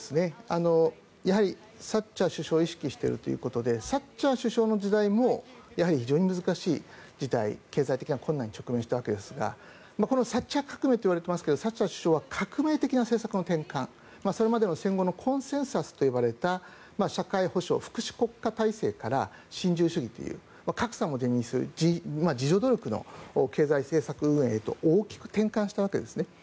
やはりサッチャー首相を意識しているということでサッチャー首相の時代も非常に難しい時代経済的な困難に直面したわけですがサッチャー革命といわれていますがサッチャー首相は革命的な政策の転換それまでの戦後のコンセンサスと呼ばれた社会保障、福祉国家体制から新自由主義という格差も是認する自助努力の経済政策運営へと大きく転換したわけですね。